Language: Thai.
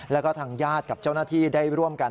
แล้วก็ทางญาติกับเจ้าหน้าที่ได้ร่วมกัน